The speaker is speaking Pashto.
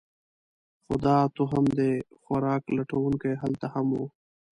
خو دا توهم دی؛ خوراک لټونکي هلته هم وو.